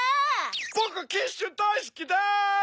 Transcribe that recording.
ボクキッシュだいすきです！